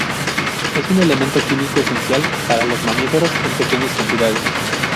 Es un elemento químico esencial para los mamíferos en pequeñas cantidades.